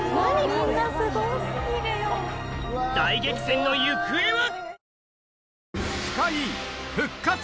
大激戦の行方は？